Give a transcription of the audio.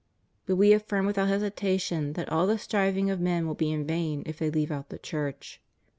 But We affirm without hesitation that all the striving of men will be vain if they leave out the Church.